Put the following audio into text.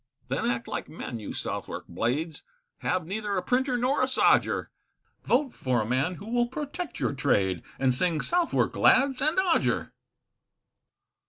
Then act like men you Southwark blades, Have neither a printer nor a "sodger, Vote for a man who will protect your trade, And sing, Southwark, lads, and Odger.